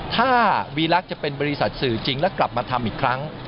ถ้าวีรักษ์จะเป็นบริษัทสื่อจริงแล้วกลับมาทำอีกครั้ง